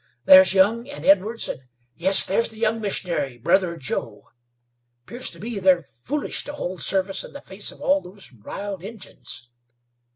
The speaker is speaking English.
"There's Young and Edwards, and, yes, there's the young missionary, brother of Joe. 'Pears to me they're foolish to hold service in the face of all those riled Injuns."